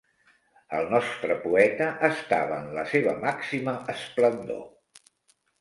El nostre poeta estava en la seva màxima esplendor.